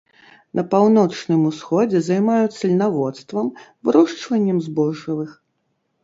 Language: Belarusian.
На паўночным усходзе займаюцца льнаводствам, вырошчваннем збожжавых.